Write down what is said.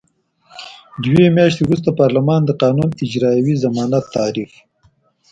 دوه میاشتې وروسته پارلمان د قانون اجرايوي ضمانت تعریف.